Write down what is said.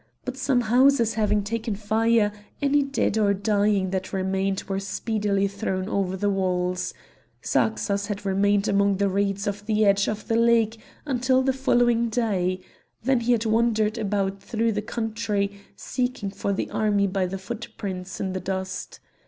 But some houses having taken fire, any dead or dying that remained were speedily thrown over the walls; Zarxas had remained among the reeds on the edge of the lake until the following day; then he had wandered about through the country, seeking for the army by the footprints in the dust.